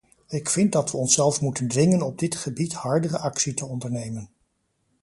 Ik vind dat we onszelf moeten dwingen op dit gebied hardere actie te ondernemen.